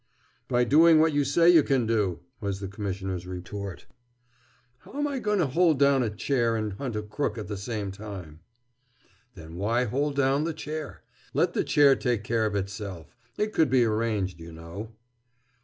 "By doing what you say you can do!" was the Commissioner's retort. "How'm I going to hold down a chair and hunt a crook at the same time?" "Then why hold down the chair? Let the chair take care of itself. It could be arranged, you know."